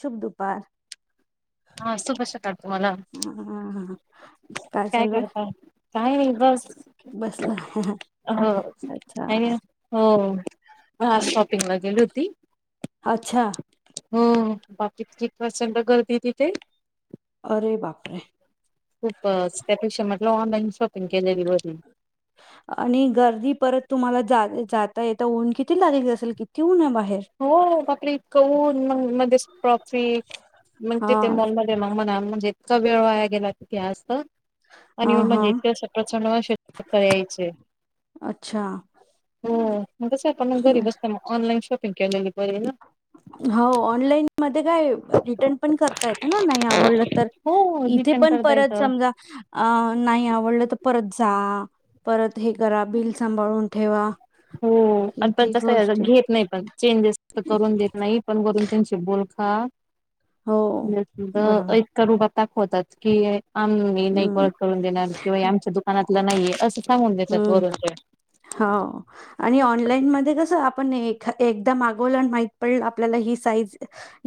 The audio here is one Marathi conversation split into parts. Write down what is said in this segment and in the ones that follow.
शुभदुपार हा शुभ सकाळ तुम्हाला हा हा काय करताय काय नाही बस बसल ह हो काय नही हो हो. शॉपिंग ला गेली होती अच्छा हो बापरे किती प्रचंड गर्दी तिथे अरे बापरे खूपच त्यापेक्षा म्हटलं ऑनलाईन शॉपिंग केलेली बरी आणि गर्दी परत तुम्हाला जाता येता ऊन किती लागेल असेल किती ऊन आहे बाहेर हो बापरे इतक उन मग मध्येच ट्रॅफिक मग हा तिथे मॉलमध्ये मग म्हणजे इतका वेळ वाया गेला तिथे जास्त. हा आणि मग हा म्हणजे इतक्या वर्षे प्रचंड असे [unintelligible] अच्छा हो मग कस आपण मग गरीब असता मग ऑनलाईन शॉपिंग केलेली बरी ना. होव ऑनलाईन मध्ये काय री टर्न पण करता येते ना नाही आवडलं तर, हो इथे रिटर्न पण करता परत येतं समजा अ नाही आवडलं तर परत जा, परत हे करा बिल सांभाळून ठेवा. हो आणि पण किती तस गोष्टी घेत नाही पण चेंजेस करून देत नाही पण वरून त्यांचे बोल हा हो बरोबर हो ऐक करु बघतात दाखवतात की आ मी नाही परत हम्म. करून देणार किंवा आमच्या दुकानातलं नाहीये असं. सांगून देतात वरून. हाव. आणि ऑनलाईन मध्ये कस आपण एखा एकदा मागवल माहित पडलं आपल्याला ही साईज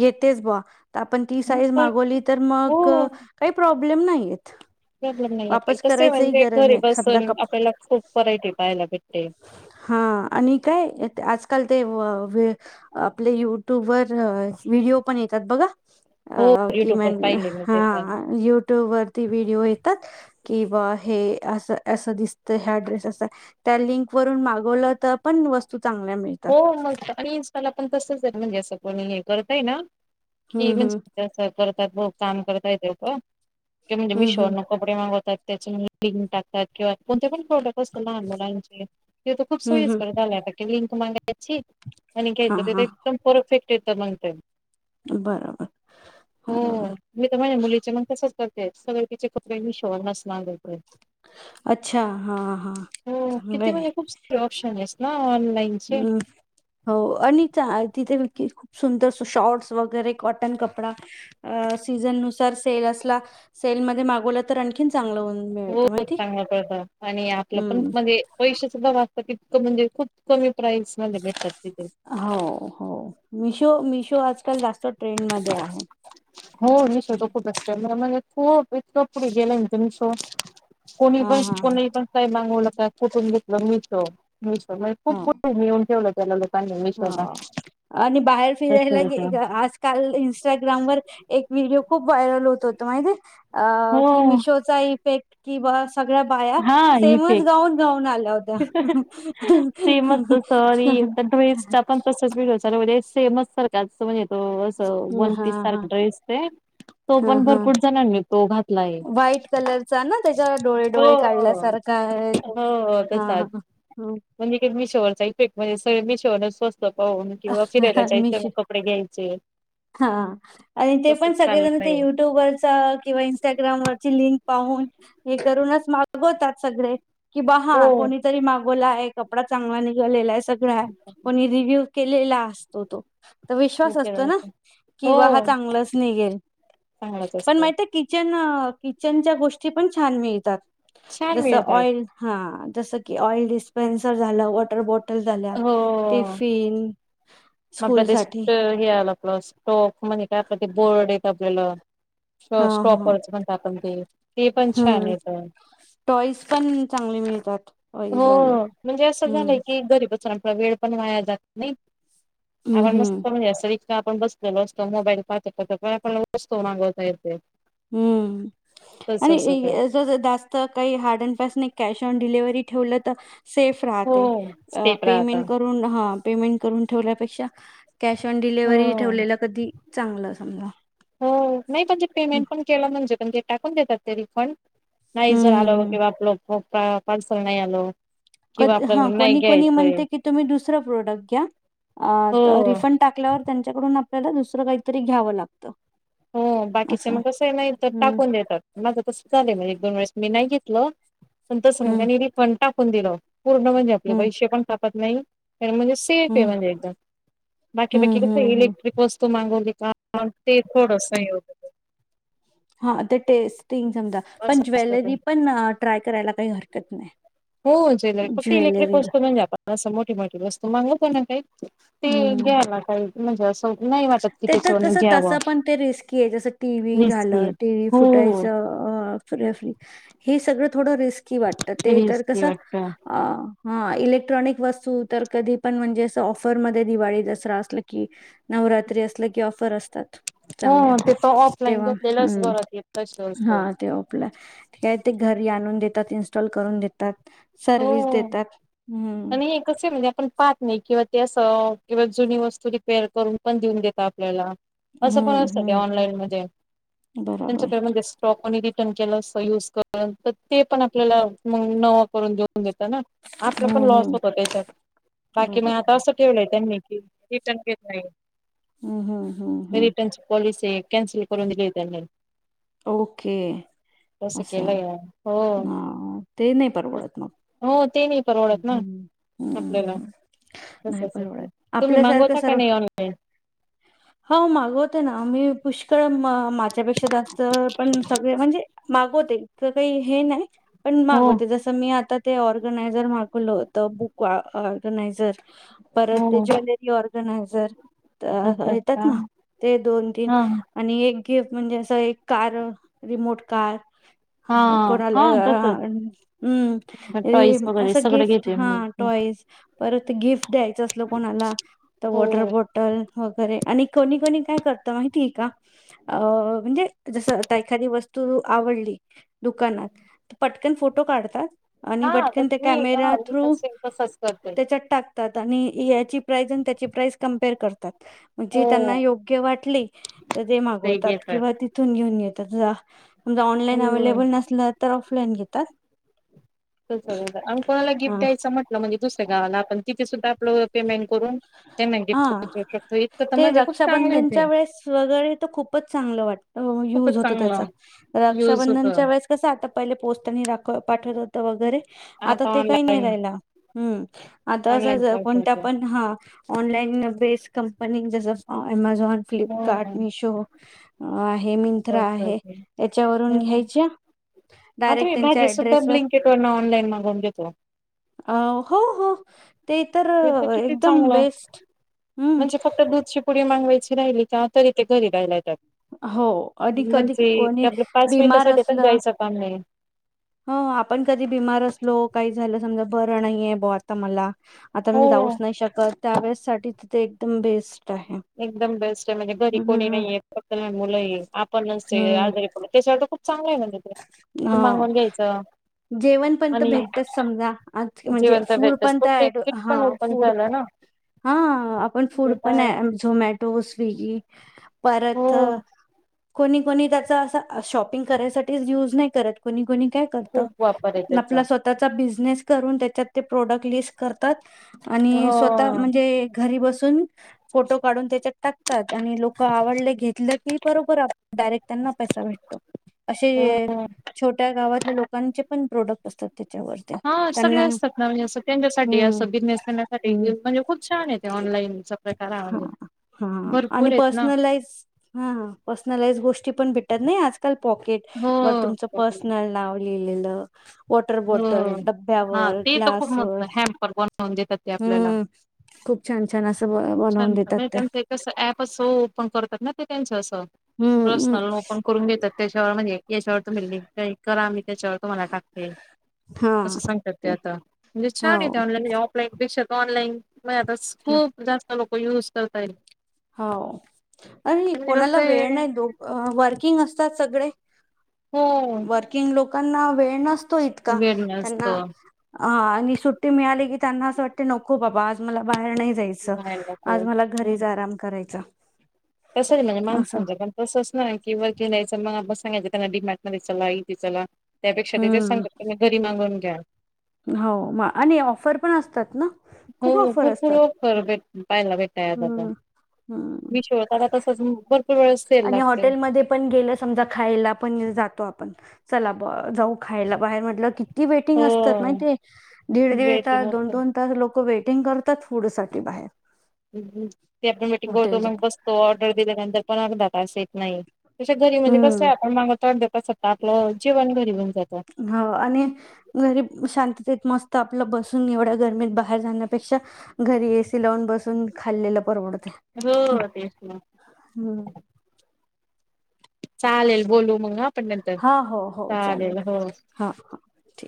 येतेच बा. आपण ती हं, साईज पण मागवली तर मग हो काही प्रॉब्लेम नाही येत. प्रॉब्लेम नाही येत वापस तसे करायचही म्हणजे गरज घरी समजा बसून कप आपल्याला खूप व्हरायटी पाहायला भेटते. हा आणि काय आजकाल ते वे आपले युट्यूब वर व्हिडिओ पण येतात बघा हो अ युट्यूब वर किमान पाहिले मी ते पण हा यु ट्यूब वरती व्हिडिओ येतात कि बॉ हे अस अस दिसत ह ड्रेस अस त्या लिंक वरून मागवलं तर.. पण वस्तू चांगल्या मिळत हो मंग आणि इन्स्टाला पण तसच आहे. म्हणजे असं कोणी हे करतय ना की हम्म हम्म म्हणजे, तस करतात बघ काम करता येत का की म्हणजे मीशो हम्म नको. प्रेमा होतात त्याच्यानी टकतात किंवा कोणते पण खोडत असत लहान मुलांची तिथ खूप हम्म हम्म हम्म सोयीस्कर झाले आता त्या लिंक मध्ये त्याची आणि हा घ्यायचं तेथ हा एकदम परफेक्ट येत नंतर. बराबर ह‌ बराबर. मी तर माझ्या मुलीचे मग तसच करते सगळ तिचे कपडे मिशो वरून च मागवते. अच्छा हा हा चांगलंय ऑप्शनेस नाऑलाईन हम्म हो आणि तिथे व खूप सुंदर शॉर्ट्स वगैरे कॉटन कपडा अ सीझन नुसार सेल असला सेलमध्ये मागव तर आणखीन चांगलं हो हो चांगलं पडतं आणि आपलं पण हम्म म्हणजे पैसे सुद्धा वाचतात इतकं म्हणजे खूप कमी प्राईज मध्ये भेटतात तिथे हो हो मिशो मिशो आजकाल जास्त ट्रेंडमध्ये आहे हो निशो तो खूपच म्हणजे खूप इतक पुढे गेलयना ते मिशो कोणी हा पण हा कोणी पण काही मागवलं का कुठून घेतलं मिशो मिशो म्हणजे खूप पुढे नेऊन ठेवलं त्याला ल हो आणि बाहेर फिरायला गे आज काल इंस्टाग्रामवर एक व्हिडिओ खूप व्हायरल होत होता माहितीेये हो की मिशोच चा इफेक्ट कि बा सगळ्या बाया हा सेमच इफेक्ट गाऊन गाऊन आल्या होत्या पेमस संण त असं वन हा पीस हा सारखा ड्रेस ते तो हा पण हा भरपूर जणांनी तो घातला आहे व्हाईट कलरचा ना त्याच्यावर डोळे हो डोळे काढल्यासारखा आहे. तो. हो हा हा हो म्हणजेी म मिशोवरचा इफेक्ट म्हणजे सगळे मिशोवर स्वस्त पाहून हा. किंवा फिरायला जायचं मग कडे घ्यायचे हा आणि ते तसच पण सगळेजण ते चाललंय युट्यूबवरचा किंवा स्टाग्रामवरर लिंक पाहून हे करूनच मागवतात सगळे कि बा हो कोणी तरी मागवला आहे कपडा चांगला निघालेला आहे सगळ कोणी रिव्ह्यू केलेला असतो तो तर विश्वास असतो ना हो किं हा चांगलाच निघेल चांगलाच पण असतं माहिती किचन किचनच्या गोष्टी पण छान मिळतात छान जस मिळतात ऑइल हा जसं की ऑइल डिस्पेन्सर झालं वॉटर बॉटल झाल्या हो टिफिन म आपलं ते स स्कूलसाठी. हे आलं आपलं स्टोफ म्हणजे काय आपलं ते बोर्ड येत आपल्याला हां, हां. स्टॉपर्स पण टा आपण ते ते पण छान हं. येत टॉईज पण चांगले मिळतात हो टॉईज वाले म्हणजे असं हम्म झालंय की घरी बचून वेळ पण वाया जात नाही आपण हम्म नसत म्हणज असं इका आपण बसलेलो असतो मोबाईल पाहतो पण आपणला वस्तो मागवता य ते हम्म काय आणि जात का हड अ कश ऑन डिलेव्ही ठेव तर सेफ हो स्टेप राहता पमें करून पेमेंट करून ठेवल्यापेक्षा कॅश ऑन हो डिलेिव्ही ठेवलेला कधी चांगलं समजा हो नाही पणजे पेमेंट हम्म पण केलं म्हणजे पण ते टाकून देतात ते रिफंड नाही जर हम्म आल हम्म किं बा आपल पार्सल नाही आलो कध हा कोणी कोणी म्हणते की त् द प्रोड घ्या हो टाल्याच्याड ला दुसरं काहीतरी घ्यावं लागतं हो बाकीच असं मग कसं नाही तर हम्म टाकून देतात माझं तसं चालं म्हणजे एक दोन वेळेस मी नाही घेतलं पण त हम्म समगनी फण टाकून दिलं पूर्ण म्हणजे आपले हम्म पैसे पण काापत नाही म्हणजे ते हम्म म्हज एकद बाकी बाकी हम्म कस हम्म हम्म इलेक्ट्रिक वस्तू मगोलिक होडसय हो हा ते टेस्टिंग समजा असं पण असतं ते ज्वेलरी पण ट्राय करायला काही हरकत नाही हो ज्वेलरी फक्ती इलेक्ट्रिक ज्वेलरी वस्तू म्हणजे आपण अस मोठी मोठी वस्तू मागत ना काही ते हम्म घ्याय मा का म्हणजे असं नाही माझ ते तर कसं तसं पण ते रिस्की आहे जसं टी व्ही रिस्की झालं टी व्ही हो फुटायचं फ्री हे सगळं थोडं रिस्की वाटतं ते तर रिस्की कसं [unintelligible] ह इलेक्ट्रॉनिक वस्तू तर कधी पण म्हणजे असं ऑफरमध्येध्ये दिवाळी दसरा असल की नवरात्री असलं की ऑफर असतात चांगल्या हो ते तर ऑफलाईन तेव्हा घेतलेलंच हम् बरं ते तस असतो. हा तेव्हा आप आहे ते घरी आणून देतात इनस्टॉल करून देतात हो. सर्विस देतात हम् आणि हे कसे म्हणजे आपण पाहत नाही किंवा त्या स किंवा जुनी वस्तू रिपेअर करून पण देऊन देत आपल्याला असं पण हम्म असतं क हम्म ऑनलाईन मध्ये त्यांच बरोबर पेमध्ये स्टॉकनी रिटर्न केलं अस युज कर तर ते पण आपल्याला म न नऊन देत ना आप पण हम्म लॉस हम्म होत त्याच्यात बाकी मग आता बरोबर अस ठवलंय त्यांनी कि रि पण के नाही हम्म हम्म हम्म हम्म रिटनची पॉलिसीय. कॅन्सल करून दिली त्यांनी. ओके. तसं असा. केलंय हो. ना ते नाही परवडत मग. हो ते नाही परवडत ना हम, आपल्याला हम्म. नाही तसच आहे परवडत. तुम्ही आपल्यासारखं मागवता का सर्व नाही ऑनलाईन? हो मागवते ना. मी पुष्कळ मा माझ्यापेक्षा जास्त तर पण सगळे. म्हणजे मागवते. तर काही हे नाही. पण हो मागवते. जस मी आता ते, ऑर्गनायझर मागवलं होत. बुक ऑग ऑर्गनायझर परत ते, हो ज्वेलरी ऑर्गनायझर, ता तसच येतात का ना. ते दोन - तीन हा आणि एक गिफ म्हणजे, असं एक कार. Remote car. हा. कोणाला हा आ तसच म् टॉईस रिम, वगैरे असं सगळं गिफ्ट. घेते मी. हा टॉईज. परत गिफ्ट द्यायचं असल कोणाला, तर हो वॉटर- बॉटल. वगैरे आणि कोणी - कोणी काय करत, माहितीय का? अ म्हणजे जसं आता एखादी वस्तू आवडली, दुकानात. पटकन फोटो काढतात. आणि हा बटकन तस ते मी कॅमेऱ्या हा मी थ्रू. तसे तसच करते त्याच्या टाक तात. आणि याची प्राईज आणि त्याची प्राईज, कम्पेअर करतात. म्हणजे त्यांना हो. योग्य वाटले. तर ते मागवतात. किंवा तिथून घेऊन येतात. समजा, ऑनलाईन हम्म. अव्हेलेबल नसलं, तर ऑफलाईन घेतात. [unintelligible] अन् कोणाला गिफ्ट हा द्यायचं म्हटलं, म्हणजे दुसऱ्या गावाला. आपण तिथे सुद्धा आपलं पेमेंट करून. पेमेंट हा [unintelligible] शकतो. इतकं तर ते म्हणजे खूप चांगलेय ते. रक्षाबंधनच्या वेळेस वगैरे तर खूपच चांगलं वाटतं. खूपच युज होतो त्याचा. चांगलं. युज होत रक्षाबंधनच्या वेळेस कसं आता, पहिले पोस्टनी राख पाठवत होत वगैरे. आता ते काही नाही राहिला. हम्म, आता ऑनलाईन असं कोणत्या पाठवतो. पण, हा. Online base company. जस अमेझॉन, फ्लिपकार्ट, हो मिशो अ आहे मिंत्रा तेच तर आहे. ते. याच्यावरून हम्म. घ्यायच्या आता डायरेक्ट मी त्यांच्या भाजी सुद्धा, ऍड्रेसवर ब्लीनकिट ऑनलाईन मागवून घेतो. अ हो, हो. ते तर हे किती एक चांगलं. म्हणजे फक्त दुधची पुडी मागवायची राहिली का, तरी ते, घरी द्यायला येतात. हो आणि कधी म्हणजे ते कोणी आपलं पाच बिमार मिनिटसाठी पण, असलं जायचं काम नाही. हो आपण कधी बिमार असलो. काही झालं. समजा, बरं नाहीे ब आता मला आता हो मी जाऊच नाही शकत. त्यावेळेससाठी तिथे एकदम बेस्ट आहे. एकदम बेस्टय. म्हणजे घरी कोणी हम्म नाहीये. फक्त लहान मुलंये. आपण नच ते हम्म आजारी पडल. त्याच्यावर त खूप चांगलंय म्हणजे ते. ते हा मागवून घ्यायचं जेवण पणत आणि भेटतच समजा. आज म्हणजे जेवण तर फूड भेटतच पण त्या ऑटो ब्लिंकिट पण हा ओपन फूड झालं ना हा. आपण फूड ते पण काय अ झोमॅटो, स्विगी हो परत कोणी - कोणी त्याचा असा, शॉपिंग करायसाठीच युज नाही करत. कोणी- कोणी काय करतो. खूप वापर आहे त्याचा आपल्या स्वत चा बिझनेस करून, त्याच्यात ते प्रोडक्ट लिस्ट करतात. आणि स्वतः हो म्हणजे घरी बसून फोटो काढून त्याच्यात टाकतात. आणि लोक आवडले, घेतलं की, बरोबर आप डायरेक्ट त्यांना पैसा भेटतो. असे, हो छोट्या गावातल्या, लोकांचे पण प्रोडक्ट असतात, त्याच्यावर. हा सगळे असतात ना. म्हणजे अस त्यांच्यासाठी हम्म अस बिझनेसमनसाठी. म्हणजे खूप छानय ते. ऑनलाईनच. ह, ह. आणि ना. पर्सनलाइज ह पर्सनलाइज गोष्टी पण भेट नाही आजकाल पॉकेट हो. वर तुमचं, पर्सनल नाव लिहिलेलं. वॉटर - बॉटल, हो. हां, डब्यावर, ते तर खूप ग्लासवर. मस्त हॅम्पर बनवून देतात ते आपल्याला. हम्म. खूप छान - छान असं, ब - बनवून देतात त्या. तस ऍप असं ओपन करतात ना, ते त्यांच असं. हम्म हम्म प्रसनल ओपन करून देतात. त्याच्यावर म्हणजे, याच्यावर तुम्ही लिंक टाईप करा. मी त्याच्यावर तुम्हाला टाकते. असं सांगतात ते आता. म्हणजे छान हो येत ऑनलाईन. ऑफलाईन पेक्षा तर, ऑनलाईन म आता खूप जास्त लोकांना युज करता येत. हो हल्ली कसं कोणाला वेळ आहे नाही ओ वर्किंग असतात सगळे, हो. वर्किंग लोकांना वेळ नसतो, इतका वेळ त्यांना नसतो हा आणि सुट्टी मिळाली की त्यांना असं वाटते नको बाबा आज मला बाहेर नाही. जायच, बाहेर नको आज मला घरीच आराम करायचा. कसं म्हणजे असं माणसाचं पण. तसं अस ना वर्किंग यायचं मग आपण सांगायचं त्यांना डीमार्ट मध्ये चला इथे चला त्यापेक्षा ते तेच हम्म सांगत घरी मागवून घ्या. हो म आणि ऑफर पण असतात ना? हो खूप ऑफर भरपूर असतात वस्तू पाहयला भेटतात हम्म हम्म आतश्या. तसंच भरपूर वेळेस. सेल आणि लागतोय हॉटेलमध्येध्ये पण गेलं. समजा खायला पण जातो आपण, चला जाऊ खायला बाहेर म्हटलं की ती वेटिंग हो असतात नाही ते, दीड दीड वेटिंग तास दोन असतं दोन तास. तर लोक वेटिंग करतात. फूड साठी बाहेर ते आपण मिीटिंग करतो हॉटेलच्या मग बसतो. ऑर्डर दिल्यानंतर पण अर्धात असं येत नाही. त घरी म्हणजे कसं हम्म आहे. आपण मागवतो, अर्धा तासात आपलं जेवण घरी बनत असत आपल. हो आणि. घरी शांततेत मस्त आपलं बसून एवढ्या गर्मीत बाहेर जाण्यापेक्षा, घरी एसी लावून बसून खाल्लेला परवडते. हम्म हम्. चालेल बोलू मग ना आपण नंतर हा हो हो चालेल हो. हा हा ठीक.